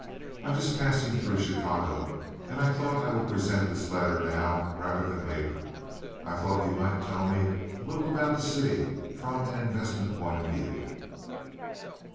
I am just passing through Chicago, and I thought I would present this letter now rather than later. I thought you might tell me a little about the city from an investment point of view."